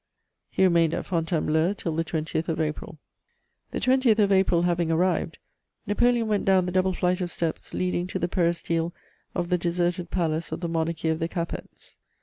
He remained at Fontainebleau till the 20th of April. The 20th of April having arrived, Napoleon went down the double flight of steps leading to the peristyle of the deserted palace of the monarchy of the Capets.